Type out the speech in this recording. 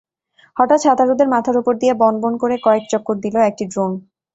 হঠাৎ সাঁতারুদের মাথার ওপর দিয়ে বনবন করে কয়েক চক্কর দিল একটি ড্রোন।